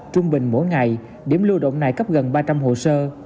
trung bình mỗi ngày điểm lưu động này cấp gần ba trăm linh hồ sơ